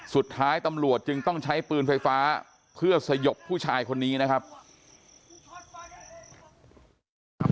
สุดท้ายตำรวจจึงต้องใช้ปืนไฟฟ้าเพื่อสยบผู้ชายคนนี้นะครับ